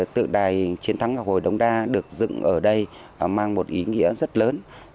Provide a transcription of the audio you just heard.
tượng đài chiến thắng ngọc hồi đống đa được dựng ở đây mang một ý nghĩa rất lớn